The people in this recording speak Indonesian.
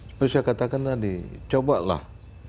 seperti saya katakan tadi cobalah